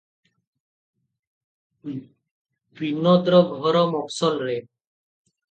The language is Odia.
ବିନୋଦର ଘର ମୋଫସଲରେ ।